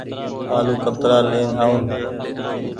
آلو ڪترآ لين آئو ۔